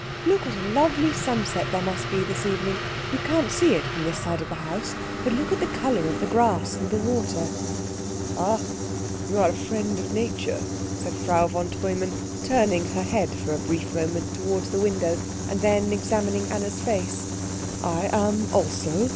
Look what a lovely sunset there must be this evening. We can't see it from this side of the house, but look at the colour of the grass and the water." "Ach you are a friend of nature," said Frau von Treumann, turning her head for a brief moment towards the window, and then examining Anna's face. "I am also.